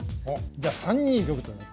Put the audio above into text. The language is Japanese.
じゃあ３二玉と。